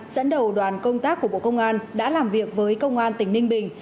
dẫn đầu đoàn công tác của bộ công an đã làm việc với công an tỉnh ninh bình